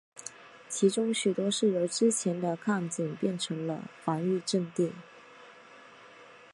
其中许多是由之前的矿井变成了防御阵地。